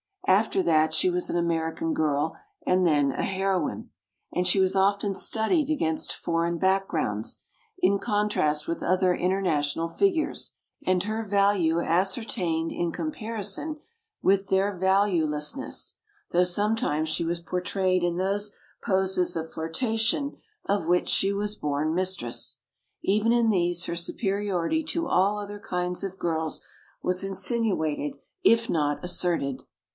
After that she was an American girl, and then a heroine; and she was often studied against foreign backgrounds, in contrast with other international figures, and her value ascertained in comparison with their valuelessness, though sometimes she was portrayed in those poses of flirtation of which she was born mistress. Even in these her superiority to all other kinds of girls was insinuated if not asserted.